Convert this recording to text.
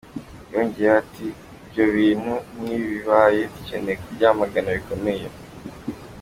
Yongeyeho ati: "Iyo ibintu nk'ibi bibaye, ducyeneye kubyamagana bikomeye.